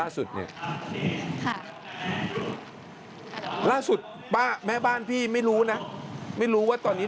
ครบกับใครค่ะตอนนี้